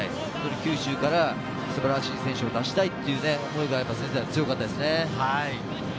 九州から素晴らしい選手を出したいという思いが強かったですね。